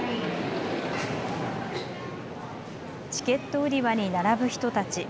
チケット売り場に並ぶ人たち。